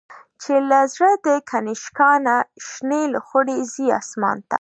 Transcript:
چی له زړه د«کنشکا» نه، شنی لوخړی ځی آسمان ته